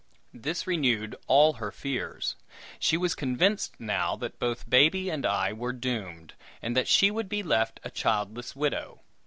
This renewed all her fears. She was convinced now that both baby and I were doomed, and that she would be left a childless widow.